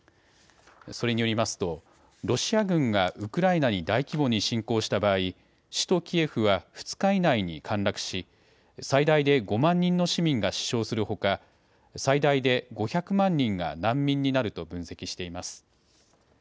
それによりますとロシア軍がウクライナに大規模に侵攻した場合、首都キエフは２日以内に陥落し最大で５万人の市民が死傷するほか最大で５００万人が難民になると分析しています。